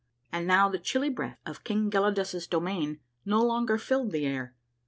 And now the chilly breath of King Gelidus' domain no longer filled the air.